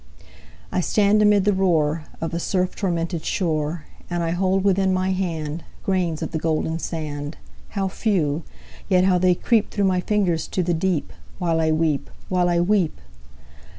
I stand amid the roar Of a surf tormented shore, And I hold within my hand Grains of the golden sand How few! yet how they creep Through my fingers to the deep While I weep while I weep!